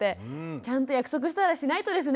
ちゃんと約束したらしないとですね